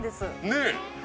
ねえ。